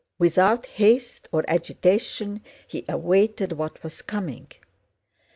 Without haste or agitation he awaited what was coming.